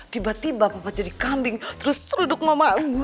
tiba tiba papa jadi kambing terus teruduk mama aja